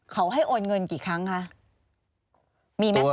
เขาให้โอนเงินกี่ครั้งคะมีไหม